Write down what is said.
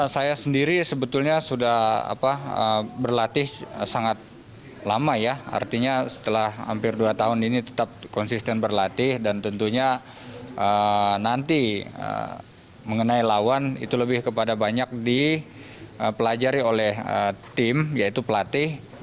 saya sendiri sebetulnya sudah berlatih sangat lama ya artinya setelah hampir dua tahun ini tetap konsisten berlatih dan tentunya nanti mengenai lawan itu lebih kepada banyak dipelajari oleh tim yaitu pelatih